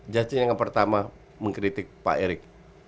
jastin yang pertama mengkritik pak erik